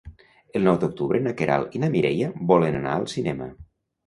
El nou d'octubre na Queralt i na Mireia volen anar al cinema.